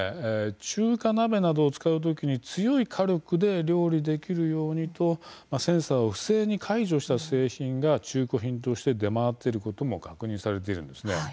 中華鍋などを使うときに強い火力で料理できるようにとセンサーを不正に解除した製品が中古品として出回っていることも確認されているんですね。